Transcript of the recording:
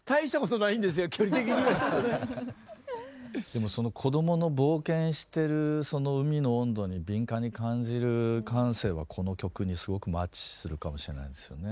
でもその子供の冒険してるその海の温度に敏感に感じる感性はこの曲にすごくマッチするかもしれないですよね。